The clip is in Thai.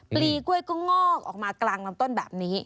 ปลีกล้วยก็งอกออกมากลางลำต้นแบบนี้